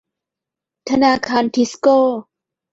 ธนาคารทิสโก้